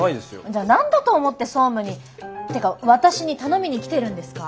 じゃあ何だと思って総務にてか私に頼みに来てるんですか？